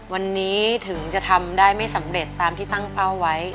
วันนี้ถึงจะทำได้ไม่สำเร็จตามที่ตั้งเป้าไว้